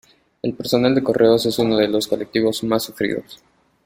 El personal de correos es uno de los colectivos más sufridos.